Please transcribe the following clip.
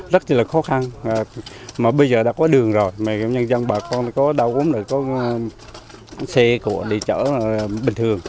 rất là khó khăn mà bây giờ đã có đường rồi mà nhân dân bà con có đau ốm rồi có xe của họ đi chở bình thường